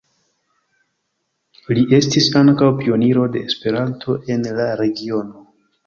Li estis ankaŭ pioniro de Esperanto en la regiono.